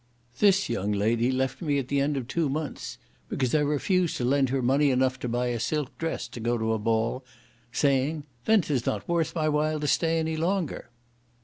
This young lady left me at the end of two months, because I refused to lend her money enough to buy a silk dress to go to a ball, saying, "Then 'tis not worth my while to stay any longer."